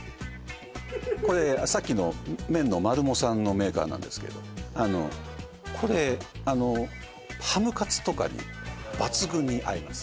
これさっきの麺のマルモさんのメーカーなんですけどこれあのハムカツとかに抜群に合います